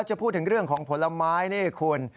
จะพูดถึงเรื่องของผลไม้นี่คุณ